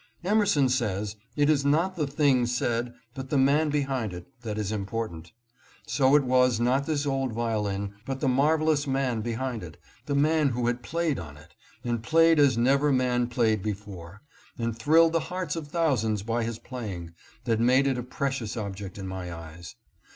Emerson says, "It is not the thing said, but the man behind it, that is important." So it was not this old violin, but the marvelous man behind it, the man who had played on it and played as never man played before, and thrilled the hearts of thousands by his playing, that made it a precious object in my eyes.